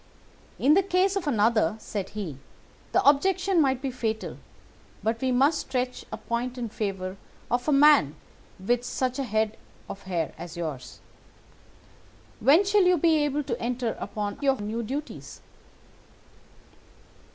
"'In the case of another,' said he, 'the objection might be fatal, but we must stretch a point in favour of a man with such a head of hair as yours. When shall you be able to enter upon your new duties?